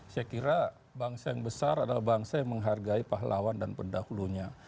saya kira bangsa yang besar adalah bangsa yang menghargai pahlawan dan pendahulunya